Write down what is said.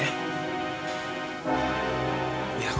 ya kamu diam aja sih